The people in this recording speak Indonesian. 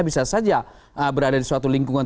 bisa saja berada di suatu lingkungan